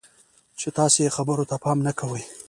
چې تاسې یې خبرو ته پام نه کوئ.